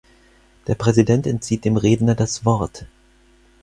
Der Präsident entzieht dem Redner das Wort.